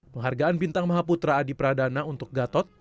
penghargaan bintang maha putra adi pradana untuk gatot